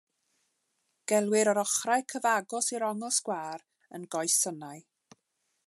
Gelwir yr ochrau cyfagos i'r ongl sgwâr yn goesynnau.